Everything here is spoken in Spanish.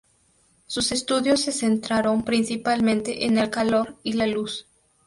Sus estudios se centraron principalmente en el calor y la luz.